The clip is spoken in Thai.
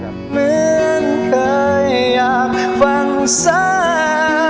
เหมือนเคยอยากฟังสา